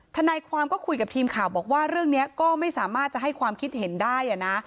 ทนายความก็คุยกับทีมข่าวบอกว่าเรื่องนี้ก็ไม่สามารถจะให้ความคิดเห็นได้นะ